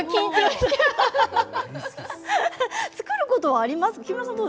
作ることはありますか？